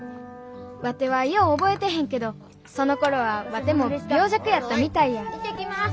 ワテはよう覚えてへんけどそのころはワテも病弱やったみたいや行ってきます！